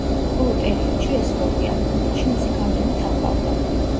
ბოლო პერიოდში, ეს სპორტი ავღანეთში მისი გავლენით აყვავდა.